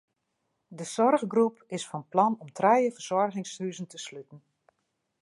De soarchgroep is fan plan om trije fersoargingshuzen te sluten.